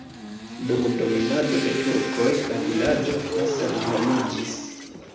Dum dominado de turkoj la vilaĝo ne senhomiĝis.